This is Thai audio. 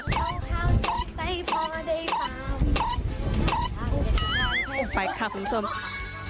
เขาเข้าใสพอได้เปล่าไม่อยากอยู่ข้างเธอ